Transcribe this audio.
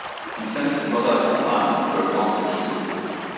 He sent his brother Hasan to accomplish this.